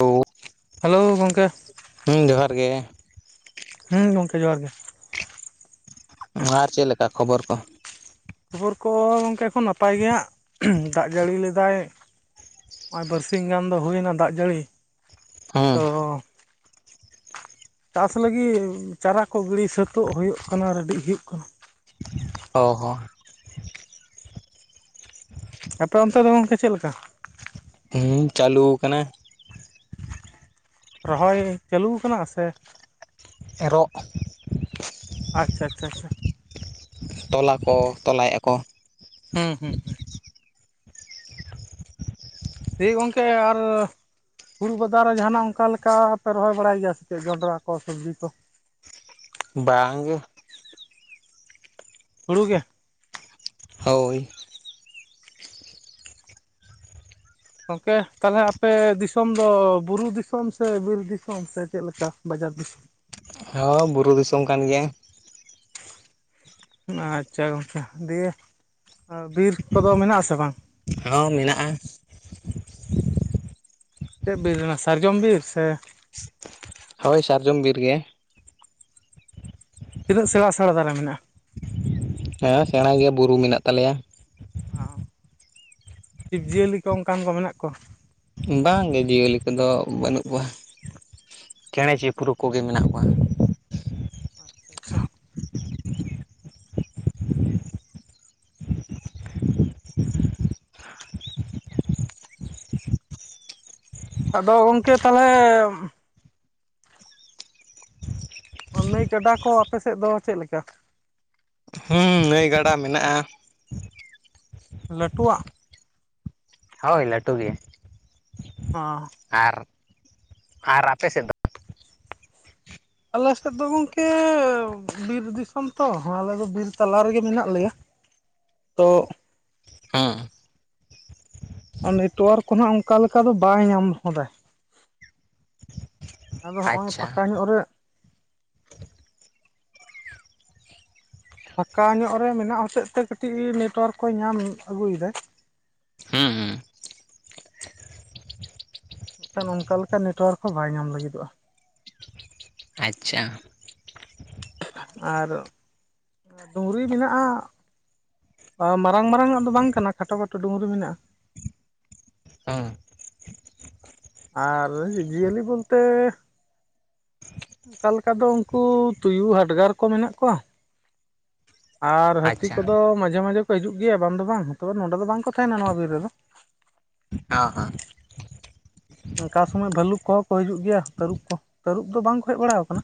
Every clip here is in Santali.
ᱦᱮᱞᱳ ᱦᱟᱹᱣ [unintelligible] ᱜᱚᱝᱠᱮ ᱦᱮᱸ ᱡᱚᱦᱟᱨ ᱜᱮ ᱦᱩᱸ ᱜᱚᱝᱠᱮ ᱡᱚᱦᱟᱨ ᱜᱮ ᱟᱨ ᱪᱮᱫ ᱞᱮᱠᱟ ᱠᱷᱚᱵᱚᱨ ᱠᱚ? ᱠᱷᱚᱵᱚᱨ ᱠᱚ ᱜᱚᱝᱠᱮ ᱮᱠᱷᱚᱱ ᱱᱟᱯᱟᱭ ᱜᱮᱭᱟ ᱫᱟᱜ ᱡᱟᱹᱲᱤ ᱮᱫᱟᱭ᱾ ᱱᱚᱜᱼᱚᱭ ᱵᱟᱨ ᱥᱤᱧ ᱜᱟᱱ ᱫᱚ ᱦᱩᱭᱱᱟ ᱫᱟᱜ ᱡᱟᱹᱲᱤ ᱛᱚ ᱦᱮᱸ ᱪᱟᱥ ᱞᱟᱹᱜᱤᱫ ᱪᱟᱨᱟ ᱠᱚ ᱜᱤᱲᱤ ᱥᱟᱹᱛᱟᱹᱜ ᱦᱩᱭᱩᱜ ᱠᱟᱱᱟ ᱨᱮᱰᱤ ᱦᱩᱭᱩᱜ ᱠᱟᱱᱟ᱾ ᱚ ᱦᱚᱸ ᱟᱯᱮ ᱚᱱᱛᱮ ᱫᱚ ᱜᱚᱝᱠᱮ ᱪᱮᱫ ᱞᱮᱠᱟ? ᱦᱮᱸ ᱪᱟᱹᱞᱩ ᱟᱠᱟᱱᱟ ᱨᱚᱦᱚᱭ ᱪᱟᱹᱞᱩ ᱟᱠᱟᱱᱟ ᱥᱮ? ᱮᱨᱚᱜ ᱟᱪᱪᱷᱟ ᱟᱪᱪᱷᱟ ᱟᱪᱪᱷᱟ ᱛᱚᱞᱟ ᱠᱚ ᱛᱚᱞᱟᱭᱮᱫᱼᱟ ᱠᱚ ᱦᱩᱸ ᱦᱩᱸ ᱦᱩᱸ [unintelligible] ᱜᱚᱝᱠᱮ ᱟᱨ ᱦᱩᱲᱩ ᱵᱟᱫᱷᱟ ᱨᱮ ᱡᱟᱦᱟᱱᱟᱜ ᱚᱱᱠᱟ ᱞᱮᱠᱟ ᱯᱮ ᱨᱚᱦᱚᱭ ᱵᱟᱲᱟᱭ ᱜᱮᱭᱟ ᱥᱮ ᱪᱮᱫ ᱡᱚᱱᱰᱨᱟ ᱠᱚ ᱥᱚᱵᱽᱡᱤ ᱠᱚ? ᱵᱟᱝ ᱜᱮ ᱦᱩᱲᱩ ᱜᱮ ᱦᱳᱭ ᱜᱚᱝᱠᱮ ᱛᱟᱦᱞᱮ ᱟᱯᱮ ᱫᱤᱥᱚᱢ ᱫᱚ ᱵᱩᱨᱩ ᱫᱤᱥᱚᱢ ᱥᱮ ᱵᱤᱨ ᱫᱤᱥᱚᱢ ᱥᱮ ᱪᱮᱫ ᱞᱮᱠᱟ ᱵᱟᱡᱟᱨ ᱫᱤᱥᱚᱢ? ᱦᱳᱭ ᱵᱩᱨᱩ ᱫᱤᱥᱚᱢ ᱠᱟᱱ ᱜᱮᱭᱟ ᱟᱪᱪᱷᱟ ᱜᱚᱝᱠᱮ ᱫᱤᱭᱮ ᱵᱤᱨ ᱠᱚ ᱫᱚ ᱢᱮᱱᱟᱜᱼᱟ ᱥᱮ ᱵᱟᱝ? ᱦᱚᱸ ᱢᱮᱱᱟᱜᱼᱟ ᱪᱮᱫ ᱵᱤᱨ ᱚᱱᱟ ᱥᱟᱨᱡᱚᱢ ᱵᱤᱨ ᱥᱮ? ᱦᱳᱭ ᱥᱟᱨᱡᱚᱢ ᱵᱤᱨ ᱜᱮ ᱛᱤᱱᱟᱹᱜ ᱥᱮᱬᱟ ᱥᱮᱬᱟ ᱫᱟᱨᱮ ᱢᱮᱱᱟᱜᱼᱟ? ᱦᱮᱸ ᱥᱮᱬᱟ ᱜᱮᱭᱟ ᱵᱩᱨᱩ ᱢᱮᱱᱟᱜ ᱛᱟᱞᱮ ᱭᱟ ᱚ ᱡᱤᱵ ᱡᱤᱭᱟᱹᱞᱤ ᱠᱚ ᱚᱱᱠᱟᱱ ᱠᱚ ᱢᱮᱱᱟᱜ ᱠᱚᱣᱟ? ᱵᱟᱝᱜᱮ ᱡᱤᱭᱟᱹᱞᱤ ᱠᱚ ᱫᱚ ᱵᱟᱹᱱᱩᱜ ᱠᱚᱣᱟ ᱪᱮᱬᱮ ᱪᱤᱯᱨᱩ ᱠᱚᱜᱮ ᱢᱮᱱᱟᱜ ᱠᱚᱣᱟ ᱟᱪᱪᱷᱟ ᱟᱪᱪᱷᱟ ᱟᱫᱚ ᱜᱚᱝᱠᱮ ᱛᱟᱦᱞᱮ ᱱᱟᱹᱭ ᱜᱟᱰᱟ ᱠᱚ ᱟᱯᱮ ᱥᱮᱫ ᱫᱚ ᱪᱮᱫ ᱞᱮᱠᱟ? ᱦᱩᱸ ᱱᱟᱹᱭ ᱜᱟᱰᱟ ᱢᱮᱱᱟᱜᱼᱟ ᱞᱟᱹᱴᱩᱣᱟᱜ ᱦᱳᱭ ᱞᱟᱹᱴᱩ ᱜᱮ ᱚᱻ ᱟᱨ ᱟᱨ ᱟᱯᱮ ᱥᱮᱫ ᱫᱚ? ᱟᱞᱮ ᱥᱮᱫ ᱫᱚ ᱜᱚᱝᱠᱮ ᱵᱤᱨ ᱫᱤᱥᱚᱢ ᱛᱚ ᱟᱞᱮ ᱫᱚ ᱵᱤᱨ ᱛᱟᱞᱟ ᱨᱮ ᱜᱮ ᱢᱮᱱᱟᱜ ᱞᱮᱭᱟ [inaudible] ᱛᱚ ᱦᱮᱸ ᱱᱮᱴᱚᱣᱟᱨᱠ ᱠᱚᱦᱟᱸᱜ ᱚᱱᱠᱟ ᱞᱮᱠᱟ ᱫᱚ ᱵᱟᱭ ᱧᱟᱢ ᱦᱚᱫᱟ ᱟᱫᱚ ᱦᱚᱸᱜᱼᱚᱭ ᱟᱪᱪᱷᱟ ᱯᱷᱟᱸᱠᱟ ᱧᱚᱜ ᱨᱮ ᱯᱷᱟᱠᱟ ᱧᱚᱜ ᱨᱮ ᱢᱮᱱᱟᱜ ᱦᱚᱛᱮ ᱛᱮ ᱠᱟᱹᱴᱤᱡ ᱱᱮᱴᱚᱣᱟᱨᱠ ᱠᱚᱭ ᱧᱟᱢ ᱟᱹᱜᱩᱭᱮᱫᱟ ᱦᱮᱸ ᱦᱮᱸ ᱮᱠᱷᱟᱱ ᱚᱱᱠᱟ ᱞᱮᱠᱟ ᱱᱮᱴᱣᱟᱨᱠ ᱦᱚᱸ ᱵᱟᱭ ᱧᱟᱢ ᱞᱟᱹᱜᱤᱫᱚᱜᱼᱟ ᱟᱪᱷᱟ ᱟᱨ ᱰᱩᱝᱨᱤ ᱢᱮᱱᱟᱜᱼᱟ ᱢᱟᱨᱟᱝ ᱢᱟᱨᱟᱝ ᱟᱜ ᱫᱚ ᱵᱟᱝ ᱠᱟᱱᱟ ᱠᱷᱟᱴᱚ ᱠᱷᱟᱴᱚ ᱰᱩᱝᱨᱤ ᱢᱮᱱᱟᱜᱼᱟ ᱦᱮᱸ ᱟᱨ ᱡᱤᱭᱟᱹᱞᱤ ᱵᱚᱞᱛᱮᱻ ᱚᱱᱠᱟ ᱞᱮᱠᱟ ᱫᱚ ᱩᱱᱠᱩ ᱛᱩᱭᱩ ᱦᱟᱰᱜᱟᱨ ᱠᱚ ᱢᱮᱱᱟᱜ ᱠᱚᱣᱟ ᱟᱨ ᱦᱟᱹᱛᱤ ᱟᱪᱪᱷᱟ ᱠᱚᱫᱚ ᱢᱟᱡᱷᱮ ᱢᱟᱡᱷᱮ ᱠᱚ ᱟᱨ ᱦᱟᱹᱛᱤ ᱠᱚᱫᱚ ᱢᱟᱸᱡᱷᱮ ᱢᱟᱸᱡᱷᱮ ᱠᱚ ᱦᱤᱡᱩᱜ ᱜᱮᱭᱟ ᱵᱟᱝ ᱫᱚ ᱵᱟᱝ ᱛᱚ ᱱᱚᱰᱮ ᱫᱚ ᱵᱟᱝᱠᱚ ᱛᱟᱦᱮᱱᱟ ᱱᱚᱣᱟ ᱵᱤᱨ ᱨᱮᱫᱚ ᱚ ᱦᱚᱸ ᱚᱱᱠᱟ ᱥᱚᱢᱚᱭ ᱵᱷᱟᱹᱞᱩᱠ ᱠᱚᱦᱚᱸ ᱠᱚ ᱦᱤᱡᱩᱜ ᱜᱮᱭᱟ ᱛᱟᱹᱨᱩᱵᱽ ᱠᱚ ᱛᱟᱹᱨᱩᱵᱽ ᱫᱚ ᱵᱟᱝ ᱠᱚ ᱦᱮᱡ ᱵᱟᱲᱟ ᱟᱠᱟᱱᱟ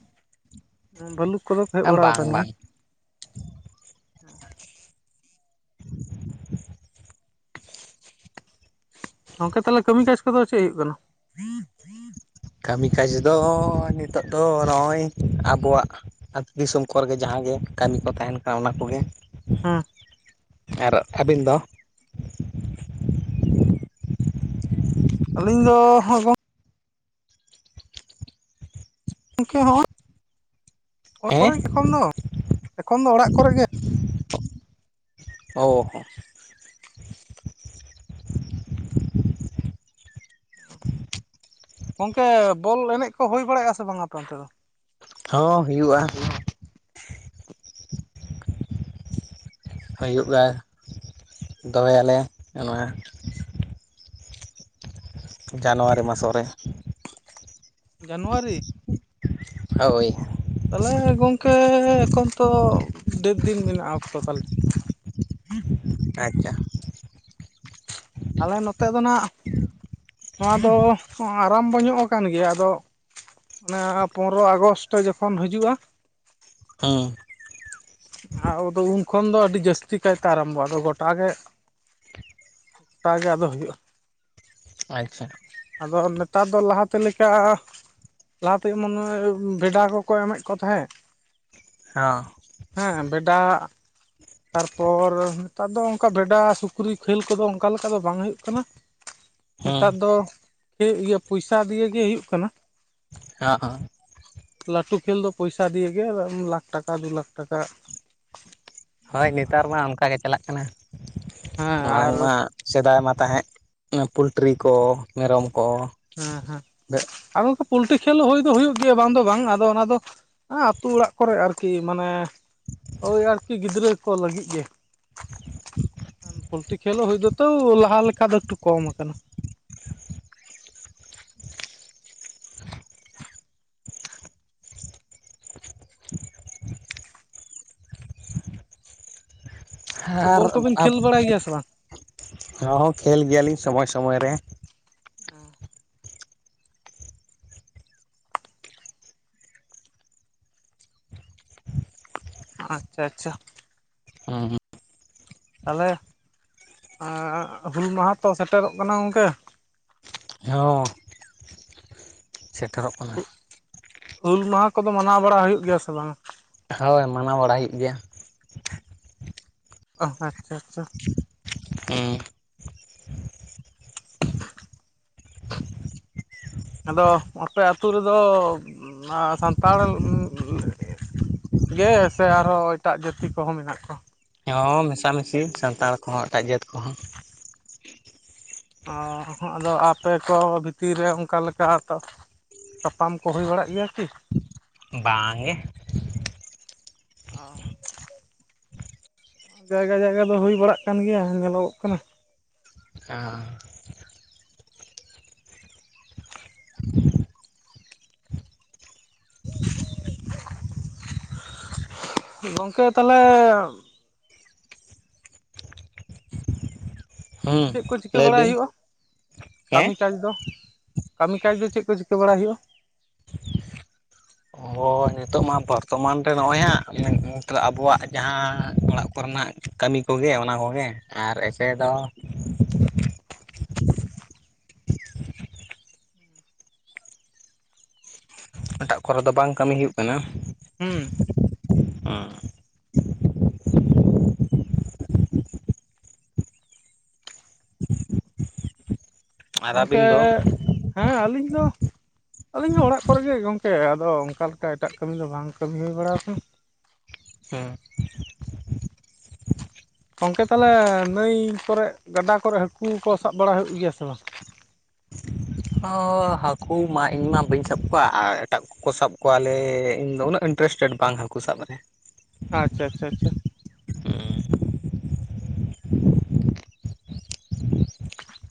ᱵᱟᱷᱹᱞᱩᱠ ᱠᱚᱫᱚ ᱠᱚ ᱦᱮᱡ ᱦᱚᱸ ᱵᱟᱲᱟ ᱵᱟᱝ ᱟᱠᱟᱱ ᱵᱟᱝ ᱜᱮᱭᱟ ᱜᱚᱝᱠᱮ ᱛᱟᱦᱚᱞᱮ ᱠᱟᱹᱢᱤ ᱠᱟᱡ ᱠᱚᱫᱚ ᱪᱮᱫ ᱦᱩᱭᱩᱜ ᱠᱟᱱᱟ? ᱠᱟᱹᱢᱤ ᱠᱟᱡᱽ ᱫᱚ ᱱᱤᱛᱚᱜ ᱫᱚ ᱱᱚᱜᱼᱚᱭ ᱟᱵᱚᱣᱟᱜ ᱟᱹᱛᱩ ᱫᱤᱥᱚᱢ ᱠᱚᱨᱮᱜᱮ ᱡᱟᱦᱟᱸᱜᱮ ᱠᱟᱹᱢᱤ ᱠᱚ ᱛᱟᱦᱮᱱ ᱠᱟᱱᱟ ᱚᱱᱟ ᱠᱚᱜᱮ ᱦᱮᱸ ᱟᱨ ᱟᱹᱵᱤᱱ ᱫᱚ ᱟᱹᱞᱤᱧ ᱫᱚ ᱜᱚᱢᱠᱮ ᱦᱚᱸ ᱚᱲᱟᱜ ᱠᱚᱨᱮ ᱦᱮᱸ ᱮᱠᱷᱚᱱ ᱫᱚ ᱮᱠᱷᱚᱱ ᱫᱚ ᱚᱲᱟᱜ ᱠᱚᱨᱮ ᱜᱮ ᱚ ᱦᱚᱸ ᱜᱚᱝᱠᱮ ᱵᱚᱞ ᱮᱱᱮᱡ ᱠᱚ ᱦᱩᱭ ᱵᱟᱲᱟᱭᱟᱜᱼᱟ ᱥᱮ ᱵᱟᱝ ᱟᱯᱮ ᱚᱱᱛᱮ ᱫᱚ ᱦᱚᱸ ᱦᱩᱭᱩᱜᱼᱟ ᱦᱩᱭᱩᱜᱼᱟ ᱫᱚᱦᱚᱭᱟᱞᱮ ᱱᱚᱣᱟ ᱡᱟᱱᱩᱣᱟᱨᱤ ᱢᱟᱥᱚ ᱨᱮ ᱡᱟᱱᱩᱣᱟᱨᱤ ᱦᱳᱭ ᱛᱟᱦᱚᱞᱮ ᱜᱚᱝᱠᱮ ᱮᱠᱷᱚᱱ ᱛᱚ ᱰᱷᱮᱨ ᱫᱤᱱ ᱢᱮᱱᱟᱜᱼᱟ ᱚᱠᱛᱚ ᱛᱟᱦᱚᱞᱮ ᱟᱪᱷᱟ ᱟᱞᱮ ᱱᱚᱛᱮ ᱫᱚ ᱱᱟᱜ ᱱᱚᱣᱟ ᱫᱚ ᱟᱨᱟᱢ ᱰᱚ ᱧᱚᱜ ᱟᱠᱟᱱ ᱜᱮᱭᱟ ᱟᱫᱚ ᱚᱱᱟᱱ ᱯᱚᱱᱮᱨᱚ ᱟᱜᱚᱥᱴ ᱡᱚᱠᱷᱚᱱ ᱦᱤᱡᱩᱜᱼᱟ ᱦᱮᱸ ᱟᱫᱚ ᱩᱱ ᱠᱷᱚᱱ ᱫᱚ ᱟᱹᱰᱤ ᱡᱟᱹᱥᱛᱤ ᱠᱟᱭᱛᱮ ᱟᱨᱟᱢᱵᱚᱜᱼᱟ ᱟᱫᱚ ᱜᱚᱴᱟᱜᱮ ᱜᱚᱴᱟᱜ ᱜᱮ ᱟᱫᱚ ᱦᱩᱭᱩᱜᱼᱟ ᱟᱪᱷᱟ ᱟᱫᱚ ᱱᱮᱛᱟᱨ ᱫᱚ ᱞᱟᱦᱟᱛᱮ ᱞᱮᱠᱟ ᱞᱟᱦᱟᱛᱮ ᱢᱚᱱᱮ ᱵᱷᱮᱰᱟ ᱠᱚᱠᱚ ᱮᱢᱮᱫ ᱠᱚ ᱛᱟᱦᱮᱸᱫ ᱦᱮᱸ ᱦᱮᱸ ᱵᱷᱮᱰᱟ ᱛᱟᱨᱯᱚᱨ ᱱᱮᱛᱟᱨ ᱫᱚ ᱚᱱᱠᱟ ᱵᱷᱮᱰᱟ ᱥᱩᱠᱨᱤ ᱠᱷᱮᱹᱞ ᱠᱚᱫᱚ ᱚᱱᱠᱟ ᱞᱮᱠᱟ ᱫᱚ ᱵᱟᱝ ᱦᱩᱭᱩᱜ ᱠᱟᱱᱟ ᱦᱩᱸ ᱱᱮᱛᱟᱨ ᱫᱚ ᱦᱩᱭᱩᱜ ᱜᱮᱭᱟ ᱯᱚᱭᱥᱟ ᱫᱤᱭᱮ ᱜᱮ ᱦᱩᱭᱩᱜ ᱠᱟᱱᱟ ᱦᱮᱸ ᱦᱮᱸ ᱞᱟᱹᱴᱩ ᱠᱷᱮᱞ ᱫᱚ ᱯᱚᱭᱥᱟ ᱫᱤᱭᱮ ᱜᱮ ᱞᱟᱠᱷ ᱴᱟᱠᱟ ᱫᱩ ᱞᱟᱠᱷ ᱴᱟᱠᱟ ᱦᱳᱭ ᱱᱮᱛᱟᱨ ᱟᱨ ᱢᱟ ᱚᱱᱠᱟ ᱜᱮ ᱪᱟᱞᱟᱜ ᱠᱟᱱᱟ ᱦᱮᱸ ᱢᱟᱲᱟᱝ ᱟᱨ ᱢᱟ ᱥᱮᱫᱟᱭ ᱢᱟ ᱛᱟᱦᱮᱸ ᱯᱚᱞᱴᱨᱤ ᱠᱚ ᱢᱮᱨᱚᱢ ᱠᱚ ᱦᱮᱸ ᱦᱮᱸ ᱟᱨ ᱜᱚᱢᱠᱟ ᱯᱚᱞᱴᱤ ᱠᱷᱮᱞ ᱦᱩᱭ ᱫᱚ ᱦᱩᱭᱩᱜ ᱜᱮᱭᱟ ᱵᱟᱝ ᱫᱚ ᱵᱟᱝ ᱟᱫᱚ ᱚᱱᱟ ᱫᱚ ᱟᱸ ᱟᱛᱩ ᱚᱲᱟᱜ ᱠᱚᱨᱮ ᱟᱨᱠᱤ ᱢᱟᱱᱮ ᱳᱭ ᱟᱨᱠᱤ ᱜᱤᱫᱽᱨᱟᱹ ᱠᱚ ᱞᱟᱹᱜᱤᱫ ᱜᱮ ᱯᱳᱞᱴᱤ ᱠᱷᱹᱮᱞᱳ ᱦᱩᱭ ᱫᱚᱛᱚ ᱞᱟᱦᱟ ᱞᱮᱠᱟ ᱫᱚ ᱮᱠᱴᱩ ᱠᱚᱢ ᱠᱟᱱᱟ ᱟᱨ ᱵᱚᱞ ᱠᱚᱵᱤᱱ ᱠᱷᱮᱞ ᱵᱟᱲᱟᱭ ᱜᱮᱭᱟ ᱥᱮ ᱵᱟᱝ ᱦᱚᱸ ᱠᱷᱮᱞ ᱜᱮᱭᱟᱞᱤᱧ ᱥᱚᱢᱚᱭ ᱥᱚᱢᱚᱭ ᱨᱮ ᱚ ᱟᱪᱪᱷᱟ ᱟᱪᱪᱷᱟ ᱛᱟᱦᱚᱞᱮ ᱦᱩᱞ ᱢᱟᱦᱟ ᱛᱚ ᱥᱮᱴᱮᱨᱚᱜ ᱠᱟᱱᱟ ᱜᱚᱝᱠᱮ ᱦᱚᱸ ᱥᱮᱴᱮᱨᱚᱜ ᱠᱟᱱᱟ ᱦᱩᱞ ᱢᱟᱦᱟ ᱠᱚᱫᱚ ᱢᱟᱱᱟᱣ ᱵᱟᱲᱟ ᱦᱩᱭᱩᱜ ᱜᱮᱭᱟ ᱥᱮ ᱵᱟᱝ ᱦᱳᱭ ᱢᱟᱱᱟᱣ ᱵᱟᱲᱟᱭ ᱦᱩᱭᱩᱜ ᱜᱮᱭᱟ ᱚ ᱟᱪᱪᱷᱟ ᱟᱪᱪᱷᱟ ᱦᱩᱸ ᱟᱫᱚ ᱟᱯᱮ ᱟᱹᱛᱩ ᱨᱮᱫᱚ ᱥᱟᱱᱛᱟᱲ ᱜᱮ ᱥᱮ ᱟᱨᱦᱚᱸ ᱮᱴᱟᱜ ᱡᱟᱹᱛᱤ ᱠᱚᱦᱚᱸ ᱢᱮᱱᱟᱜ ᱠᱚᱣᱟ ᱦᱮ ᱢᱮᱥᱟᱢᱤᱥᱤ ᱥᱟᱱᱛᱟᱲ ᱠᱚᱦᱚᱸ ᱮᱴᱟᱜ ᱡᱟᱹᱛ ᱠᱚᱦᱚᱸ ᱚ ᱟᱫᱚ ᱟᱯᱮ ᱠᱚ ᱵᱷᱤᱛᱤᱨ ᱨᱮ ᱚᱱᱠᱟ ᱞᱮᱠᱟᱛᱚ ᱛᱟᱯᱟᱢ ᱠᱚ ᱦᱩᱭ ᱵᱟᱲᱟᱜ ᱜᱮᱭᱟ ᱠᱤ ᱵᱟᱝ ᱜᱮ ᱚᱻ ᱡᱟᱭᱜᱟ ᱡᱟᱭᱜᱟ ᱫᱚ ᱦᱩᱭ ᱵᱟᱲᱟᱜ ᱠᱟᱱ ᱜᱮᱭᱟ ᱧᱮᱞᱚᱜᱚᱜ ᱠᱟᱱᱟ ᱚᱸᱻ ᱜᱚᱢᱠᱮ ᱛᱟᱦᱚᱞᱮ ᱦᱩᱸ ᱪᱮᱫ ᱠᱚ ᱪᱤᱠᱟᱹ ᱞᱟᱹᱭ ᱵᱟᱲᱟᱭ ᱵᱤᱱ ᱦᱩᱭᱩᱜ-ᱟ ᱠᱟᱹᱢᱤ ᱦᱮᱸ ᱠᱟᱡᱽ ᱫᱚ? ᱠᱟᱹᱢᱤ ᱠᱟᱡᱽ ᱫᱚ ᱪᱮᱫ ᱠᱚ ᱪᱤᱠᱟᱹ ᱵᱟᱲᱟᱭ ᱦᱩᱭᱩᱜ-ᱟ? ᱦᱳᱭ ᱱᱤᱛᱚᱜ ᱢᱟ ᱵᱚᱨᱛᱚᱢᱟᱱ ᱨᱮ ᱱᱚᱜᱼᱚᱭ ᱦᱟᱸᱜ ᱟᱵᱚᱣᱟᱜ ᱡᱟᱦᱟᱸ ᱚᱲᱟᱜ ᱠᱚᱨᱮᱱᱟᱜ ᱠᱟᱹᱢᱤ ᱠᱚᱜᱮ ᱚᱱᱟ ᱠᱚᱜᱮ ᱟᱨ ᱮᱥᱮ ᱫᱚ ᱮᱴᱟᱜ ᱠᱚᱨᱮ ᱫᱚ ᱵᱟᱝ ᱠᱟᱹᱢᱤ ᱦᱩᱭᱩᱜ ᱠᱟᱱᱟ ᱦᱩᱸ ᱚᱻ ᱟᱨ ᱜᱚᱝᱠᱮ ᱟᱹᱵᱤᱱ ᱫᱚ ᱦᱮᱸ ᱟᱹᱞᱤᱧ ᱫᱚ ᱟᱹᱞᱤᱧ ᱫᱚ ᱚᱲᱟᱜ ᱠᱚᱨᱮᱜᱮ ᱜᱚᱢᱠᱮ ᱟᱫᱚ ᱚᱱᱠᱟ ᱞᱮᱠᱟ ᱮᱴᱟᱜ ᱠᱟᱹᱢᱤ ᱫᱚ ᱵᱟᱝ ᱠᱟᱹᱢᱤ ᱦᱩᱭ ᱵᱟᱲᱟᱣ ᱟᱠᱟᱱᱟ ᱦᱮᱸ ᱜᱚᱢᱠᱮ ᱛᱟᱦᱚᱞᱮ ᱱᱟᱹᱭ ᱠᱚᱨᱮ ᱜᱟᱰᱟ ᱠᱚᱨᱮ ᱦᱟᱹᱠᱩ ᱠᱚ ᱥᱟᱵ ᱵᱟᱲᱟ ᱦᱩᱭᱩᱜ ᱜᱮᱭᱟ ᱥᱮ ᱵᱟᱝ? ᱦᱚᱸ ᱦᱟᱹᱠᱩ ᱢᱟ ᱤᱧ ᱢᱟ ᱵᱟᱹᱧ ᱥᱟᱵ ᱠᱚᱣᱟ ᱟᱨ ᱮᱴᱟᱜ ᱠᱚ ᱠᱚ ᱥᱟᱵ ᱠᱚᱣᱟᱞᱮ ᱤᱧ ᱫᱚ ᱩᱱᱟᱹᱜ ᱤᱱᱴᱟᱨᱮᱥᱴᱮᱰ ᱵᱟᱝ ᱦᱟᱹᱠᱩ ᱥᱟᱵ ᱨᱮ ᱟᱪᱪᱷᱟ ᱟᱪᱪᱷᱟ ᱟᱪᱪᱷᱟ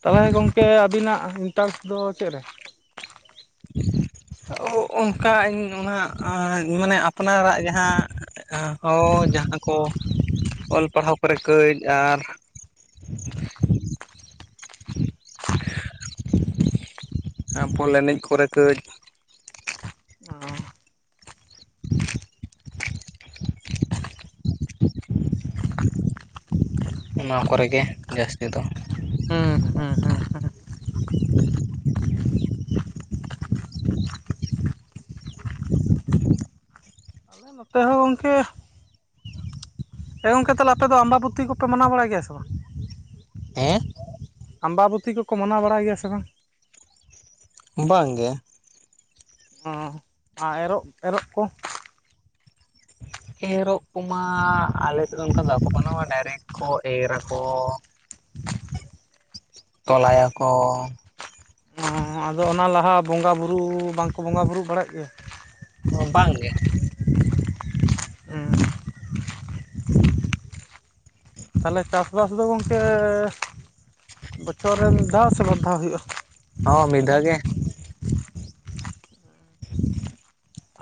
ᱛᱟᱦᱚᱞᱮ ᱜᱚᱢᱠᱮ ᱟᱹᱵᱤᱱᱟᱜ ᱤᱱᱴᱟᱨᱮᱥᱴ ᱫᱚ ᱪᱮᱫ ᱨᱮ? ᱚᱱᱠᱟ ᱤᱧ ᱚᱱᱟ ᱢᱟᱱᱮ ᱟᱯᱱᱟᱨᱟᱜ ᱡᱟᱦᱟᱸ ᱦᱚᱸ ᱡᱟᱦᱟᱸ ᱠᱚ ᱚᱞ ᱯᱟᱲᱦᱟᱣ ᱠᱚᱨᱮ ᱠᱟᱹᱡ ᱟᱨ [inaudible] ᱵᱚᱞ ᱮᱱᱮᱡ ᱠᱚᱨᱮ ᱠᱟᱹᱡ ᱚᱻ ᱚᱱᱟ ᱠᱚᱨᱮ ᱜᱮ ᱡᱟᱹᱥᱛᱤ ᱫᱚ ᱦᱩᱸ ᱦᱩᱸ ᱦᱩᱸ ᱦᱩᱸ ᱟᱫᱚ ᱜᱚᱝᱠᱮ ᱮ ᱜᱚᱢᱠᱮ ᱟᱯᱮ ᱫᱚ ᱟᱢᱵᱟᱵᱚᱛᱤ ᱠᱚᱯᱮ ᱢᱟᱱᱟᱣ ᱵᱟᱲᱟᱭ ᱜᱮᱭᱟ ᱥᱮ ᱵᱟᱝ? ᱦᱮᱸ ᱟᱢᱵᱟᱵᱚᱛᱤ ᱠᱚᱠᱚ ᱢᱟᱱᱟᱣ ᱵᱟᱲᱟᱭ ᱜᱮᱭᱟ ᱥᱮ ᱵᱟᱝ? ᱵᱟᱝ ᱜᱮ ᱚᱸ ᱟᱨ ᱮᱨᱚᱜ ᱮᱨᱚᱜ ᱠᱚ ᱮᱨᱚᱜ ᱠᱚᱢᱟ ᱟᱞᱮ ᱥᱮᱫ ᱫᱚ ᱚᱱᱠᱟ ᱫᱚ ᱵᱟᱠᱚ ᱢᱟᱱᱟᱣᱟ ᱰᱟᱭᱨᱮᱠᱴ ᱠᱚ ᱮᱨ ᱟᱠᱚ ᱛᱚᱞᱟᱭᱟᱠᱚ ᱚᱸ ᱟᱫᱚ ᱚᱱᱟ ᱞᱟᱦᱟ ᱵᱚᱸᱜᱟ ᱵᱩᱨᱩ ᱵᱟᱝᱠᱚ ᱵᱚᱸᱜᱟ ᱵᱩᱨᱩᱜ ᱵᱟᱲᱟᱜ ᱜᱮᱭᱟ ᱵᱟᱝ ᱜᱮ ᱩᱸᱻ [inaudible] ᱛᱟᱦᱚᱞᱮ ᱪᱟᱥᱵᱟᱥ ᱫᱚ ᱜᱚᱢᱠᱮ ᱵᱚᱪᱷᱚᱨ ᱨᱮ ᱢᱤᱫ ᱫᱷᱟᱣ ᱥᱮ ᱵᱟᱨ ᱫᱷᱟᱣ ᱦᱩᱭᱩᱜᱼᱟ? ᱦᱚᱸ ᱢᱤᱫ ᱫᱷᱟᱣ ᱜᱮ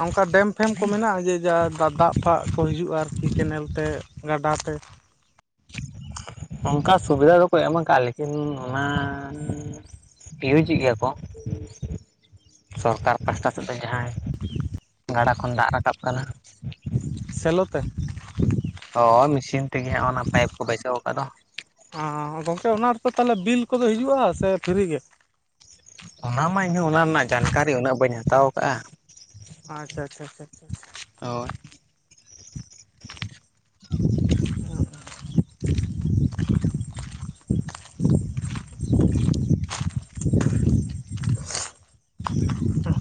ᱚᱱᱠᱟ ᱰᱮᱢ ᱯᱷᱮᱢ ᱠᱚ ᱢᱮᱱᱟᱜᱼᱟ ᱡᱮ ᱡᱟ ᱫᱟᱜ ᱯᱷᱟᱜ ᱠᱚ ᱦᱤᱡᱩᱜᱼᱟ ᱟᱨᱠᱤ ᱠᱮᱱᱮᱞ ᱛᱮ? ᱜᱟᱰᱟᱛᱮ ᱚᱱᱠᱟ ᱥᱩᱵᱤᱫᱷᱟ ᱫᱚᱠᱚ ᱮᱢ ᱠᱟᱜᱼᱟ ᱞᱮᱠᱤᱱ ᱚᱱᱟ ᱤᱭᱩᱡᱽ ᱮᱫ ᱜᱮᱭᱟ ᱠᱚ ᱥᱚᱨᱠᱟᱨ ᱯᱟᱥᱴᱟ ᱥᱮᱫ ᱛᱮ ᱡᱟᱦᱟᱸᱭ [inaudible] ᱜᱟᱰᱟ ᱠᱷᱚᱱ ᱫᱟᱜ ᱨᱟᱠᱟᱵ ᱠᱟᱱᱟ ᱥᱮᱞᱳ ᱛᱮ ᱦᱚ ᱢᱮᱥᱤᱱ ᱛᱮᱜᱮ ᱚᱱᱟ ᱯᱟᱭᱤᱯ ᱠᱚ ᱵᱟᱹᱭᱥᱟᱹᱣ ᱠᱟᱜᱼᱫᱚ ᱜᱚᱝᱠᱮ ᱚᱱᱟ ᱨᱮᱫᱚ ᱛᱟᱦᱚᱞᱮ ᱵᱤᱞ ᱠᱚᱫᱚ ᱦᱤᱡᱩᱜᱼᱟ ᱥᱮ ᱯᱷᱤᱨᱤ ᱜᱮ? ᱚᱱᱟᱢᱟ ᱤᱧ ᱦᱚᱸ ᱚᱱᱟ ᱨᱮᱱᱟᱜ ᱡᱟᱱᱠᱟᱨᱤ ᱩᱱᱟᱹᱜ ᱵᱟᱹᱧ ᱦᱟᱛᱟᱣ ᱠᱟᱜᱼᱟ ᱟᱪᱪᱷᱟ ᱟᱪᱪᱷᱟ ᱟᱪᱪᱷᱟ ᱟᱪᱪᱷᱟ ᱦᱳᱭ [unintelligible] ᱟᱨ [unintelligible]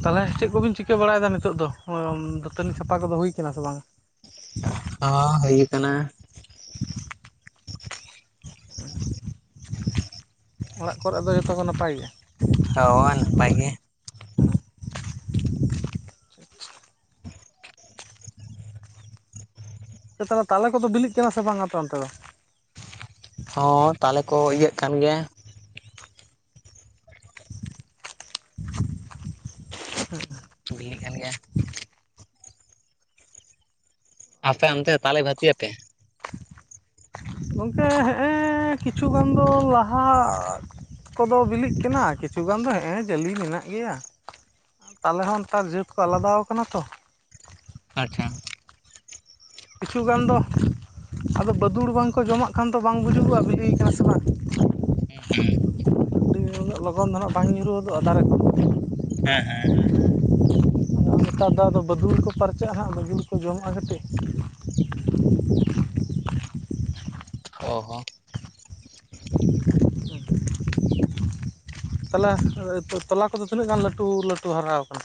ᱛᱟᱦᱚᱞᱮ ᱪᱮᱫ ᱠᱚᱵᱤᱱ ᱪᱤᱠᱟᱹ ᱵᱟᱲᱟᱭᱮᱫᱟ ᱱᱤᱛᱚᱜ ᱫᱚ ᱫᱟᱹᱛᱟᱹᱱᱤ ᱥᱟᱯᱟ ᱠᱚᱫᱚ ᱦᱩᱭ ᱠᱟᱱᱟ ᱥᱮ ᱵᱟᱝ ᱚᱸ ᱦᱩᱭ ᱠᱟᱱᱟ ᱟᱨ [inaudible] ᱚᱲᱟᱜ ᱠᱚᱨᱮ ᱫᱚ ᱡᱷᱚᱛᱚ ᱠᱚ ᱱᱟᱯᱟᱭ ᱜᱮᱭᱟ ᱦᱳᱭ ᱱᱟᱯᱟᱭ ᱜᱮ ᱛᱟᱞᱮ ᱠᱚᱫᱚ ᱵᱤᱞᱤᱜ ᱠᱟᱱᱟ ᱥᱮ ᱵᱟᱝᱟ ᱟᱯᱮ ᱚᱱᱛᱮ ᱫᱚ ᱦᱚᱸ ᱛᱟᱦᱚᱞᱮ ᱠᱚ ᱤᱭᱟᱹᱜ ᱠᱟᱱ ᱜᱮᱭᱟ ᱦ [unintelligible] ᱵᱤᱞᱤᱜ ᱠᱟᱱ ᱜᱮᱭᱟ ᱟᱯᱮ ᱚᱱᱛᱮ ᱛᱟᱞᱮ ᱵᱷᱟᱹᱛᱤᱭᱟᱯᱮ ᱜᱚᱝᱠᱮ ᱦᱮᱸᱼᱮ ᱠᱤᱪᱷᱩ ᱜᱟᱱ ᱫᱚ ᱞᱟᱦᱟ ᱠᱚᱫᱚ ᱵᱤᱞᱤᱜ ᱠᱟᱱᱟ ᱠᱤᱪᱷᱩ ᱜᱟᱱ ᱫᱚ ᱦᱮᱸ ᱮ ᱡᱟᱹᱞᱤ ᱢᱮᱱᱟᱜ ᱜᱮᱭᱟ ᱛᱟᱞᱮ ᱦᱚᱸ ᱱᱮᱛᱟᱨ ᱡᱟᱹᱛ ᱠᱚ ᱟᱞᱟᱫᱟᱣ ᱠᱟᱱᱟ ᱛᱚ ᱟᱪᱪᱷᱟ ᱠᱤᱪᱷᱩ ᱜᱟᱱ ᱫᱚ ᱟᱫᱚ ᱵᱟᱹᱫᱩᱲ ᱵᱟᱝᱠᱚ ᱡᱚᱢᱟᱜ ᱠᱷᱟᱱ ᱫᱚ ᱵᱟᱝ ᱵᱩᱡᱩᱜᱼᱟ ᱵᱤᱞᱤᱭ ᱠᱟᱱᱟ ᱥᱮ ᱵᱟᱝ ᱦᱮᱸ ᱦᱩᱸ ᱩᱱᱟᱹᱜ ᱞᱚᱜᱚᱱ ᱫᱚ ᱱᱟᱜ ᱵᱟᱝ ᱧᱩᱨᱩᱦᱩ ᱦᱚᱫᱚᱜᱼᱟ ᱫᱟᱨᱮ ᱠᱷᱚᱱ ᱦᱮᱸ ᱦᱮᱸ ᱱᱮᱛᱟᱨ ᱫᱚ ᱟᱫᱚ ᱵᱟᱹᱫᱩᱲ ᱠᱚ ᱯᱟᱨᱪᱟᱜᱼᱟ ᱦᱟᱸᱜ ᱵᱟᱹᱫᱩᱲ ᱠᱚ ᱡᱚᱢᱟᱜᱼᱟ ᱠᱟᱹᱴᱤᱡ ᱚ ᱦᱚ ᱦ [inaudible] ᱛᱟᱦᱚᱞᱮ ᱛᱚᱞᱟ ᱠᱚᱫᱚ ᱛᱤᱱᱟᱹᱜ ᱜᱟᱱ ᱞᱟᱹᱴᱩ ᱞᱟᱹᱴᱩ ᱦᱟᱨᱟᱣ ᱠᱟᱱᱟ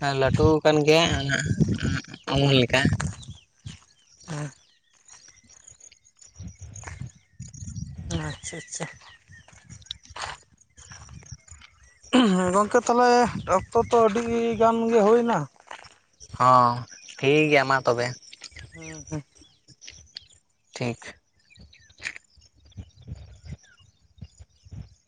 ᱦᱮᱸ ᱞᱟᱹᱴᱩ ᱠᱟᱱ ᱜᱮᱭᱟ ᱚᱱᱟ ᱩᱢᱩᱞ ᱞᱮᱠᱟ [inaudible] ᱟᱪᱪᱷᱟ ᱟᱪᱪᱷᱟ ᱜᱚᱝᱠᱮ ᱛᱟᱦᱚᱞᱮ ᱚᱠᱛᱚ ᱛᱚ ᱟᱹᱰᱤ ᱜᱟᱱ ᱜᱮ ᱦᱩᱭᱮᱱᱟ ᱦᱚᱸ ᱴᱷᱤᱠ ᱜᱮᱭᱟ ᱢᱟ ᱛᱚᱵᱮ ᱦᱩᱸ ᱦᱩᱸ ᱴᱷᱤᱠ